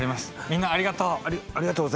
みんなありがとう！